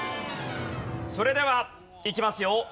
それではいきますよ。